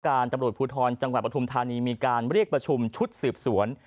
ตำรวจภูทรจังหวัดปฐุมธานีมีการเรียกประชุมชุดสืบสวน